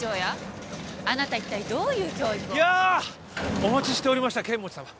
いやぁお待ちしておりました剣持さま！